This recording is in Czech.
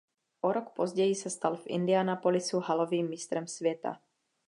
O rok později se stal v Indianapolisu halovým mistrem světa.